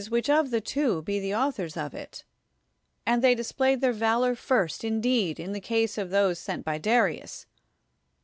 which of the two shall be the authors of it. And they displayed their valor first, indeed, in the case of those sent by Darius.